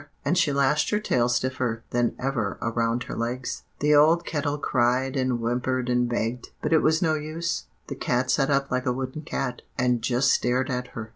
and she lashed her tail stiffer than ever around her legs. "The old Tea Kettle cried and whimpered and begged, but it was no use. The cat sat up like a wooden cat, and just stared at her.